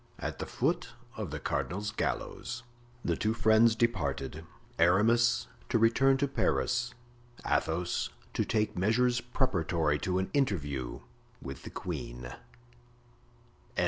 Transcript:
"At the foot of the cardinal's gallows." The two friends departed—Aramis to return to Paris, Athos to take measures preparatory to an interview with the queen.